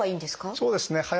そうですね。